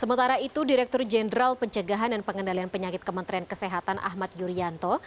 sementara itu direktur jenderal pencegahan dan pengendalian penyakit kementerian kesehatan ahmad yuryanto